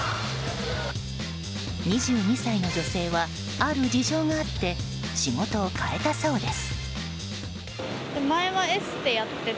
２２歳の女性はある事情があって仕事を変えたそうです。